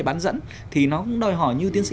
bán dẫn thì nó đòi hỏi như tiến sĩ